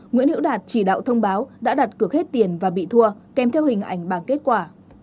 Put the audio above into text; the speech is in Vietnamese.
nguyễn hiễu đạt chỉ đạo thông báo đã đặt cược hết tiền và bị thua kèm theo hình ảnh bằng kết quả